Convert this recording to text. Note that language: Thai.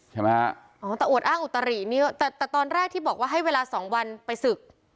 ใช่ไหมฮะอ๋อแต่อวดอ้างอุตรินี่แต่แต่ตอนแรกที่บอกว่าให้เวลาสองวันไปศึก